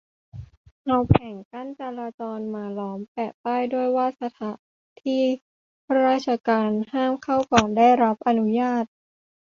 เอาแผงกั้นจราจรมาล้อมครับ แปะป้ายด้วยว่าสถานที่ราชการห้ามเข้าก่อนได้รับอนุญาต